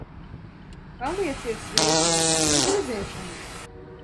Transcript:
Palieciet sveiki, uz redzēšanos!